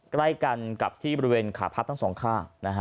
ใกล้กันกับที่บริเวณขาพับทั้งสองข้าง